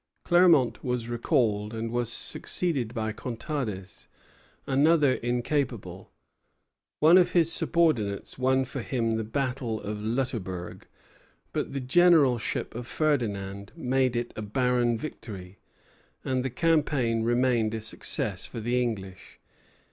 Clermont was recalled, and was succeeded by Contades, another incapable. One of his subordinates won for him the battle of Lutterberg; but the generalship of Ferdinand made it a barren victory, and the campaign remained a success for the English.